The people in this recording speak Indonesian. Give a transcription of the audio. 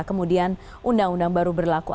kemudian undang undang baru berlaku